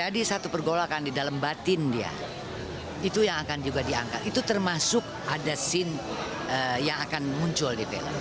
dan berhasil menggelar konser tunggal